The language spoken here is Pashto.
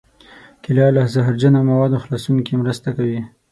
کېله له زهرجنو موادو خلاصون کې مرسته کوي.